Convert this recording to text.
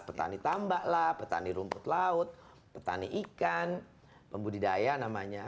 petani tambaklah petani rumput laut petani ikan pembudidaya namanya